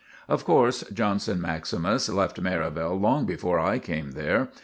Of course Johnson maximus left Merivale long before I came there.